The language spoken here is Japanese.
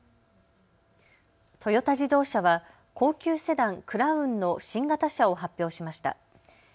トヨタ自動車は高級セダン、クラウンの新型車を発表しました。